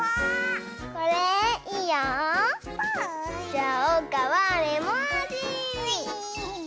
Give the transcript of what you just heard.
じゃあおうかはレモンあじ！